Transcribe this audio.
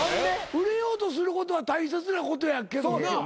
売れようとすることは大切なことやけどな。